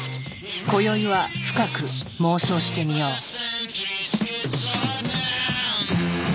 こよいは深く妄想してみよう。